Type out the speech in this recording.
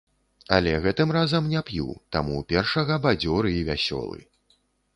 Але гэтым разам не п'ю, таму першага бадзёры і вясёлы.